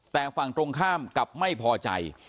แต่ฝั่งตรงข้ามกลับไม่พอใจ